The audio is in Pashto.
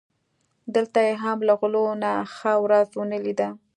دلته یې هم له غلو نه ښه ورځ و نه لیده.